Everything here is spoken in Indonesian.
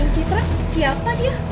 citra siapa dia